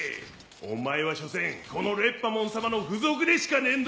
お前はしょせんこのレッパモンさまの付属でしかねえんだ！